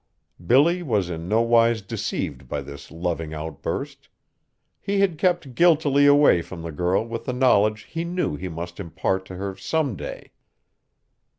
Billy was in nowise deceived by this loving outburst. He had kept guiltily away from the girl with the knowledge he knew he must impart to her some day.